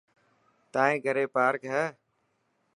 تائن گهري پارڪ هي.